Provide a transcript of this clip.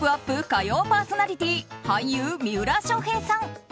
火曜パーソナリティー俳優・三浦翔平さん。